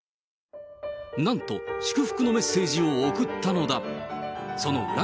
なんと、祝福のメッセージを送ったのだ。